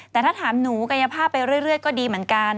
แต่ถ้าถามหนูกายภาพไปเรื่อยก็ดีเหมือนกัน